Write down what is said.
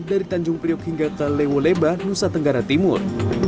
dari tanjung priuk hingga ke lewo leba nusa tenggara timur